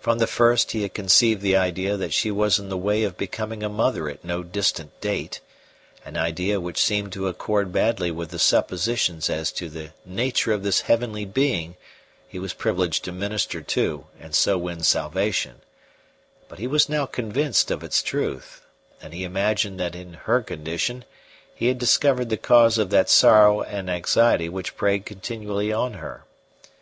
From the first he had conceived the idea that she was in the way of becoming a mother at no distant date an idea which seemed to accord badly with the suppositions as to the nature of this heavenly being he was privileged to minister to and so win salvation; but he was now convinced of its truth, and he imagined that in her condition he had discovered the cause of that sorrow and anxiety which preyed continually on her.